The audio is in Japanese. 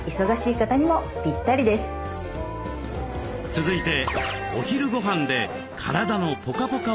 続いてお昼ごはんで体のポカポカをキープ。